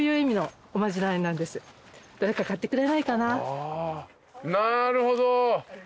なるほど！